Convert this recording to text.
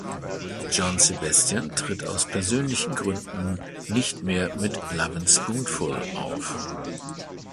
John Sebastian tritt aus persönlichen Gründen nicht mehr mit Lovin’ Spoonful auf.